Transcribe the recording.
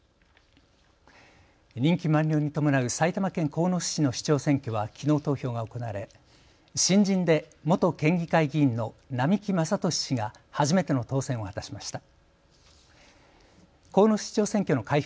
任期満了に伴う埼玉県鴻巣市の市長選挙はきのう投票が行われ新人で元県議会議員の並木正年氏が初めての当選を果たしました。